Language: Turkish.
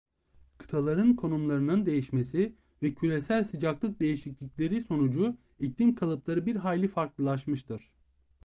Kıtaların konumlarının değişmesi ve küresel sıcaklık değişiklikleri sonucu iklim kalıpları bir hayli farklılaşmıştır.